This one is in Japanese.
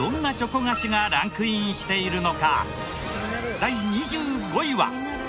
第２５位は。